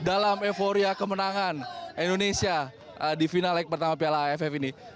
dalam euforia kemenangan indonesia di final leg pertama piala aff ini